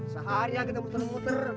seharian kita muter muter